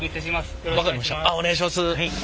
あっお願いします。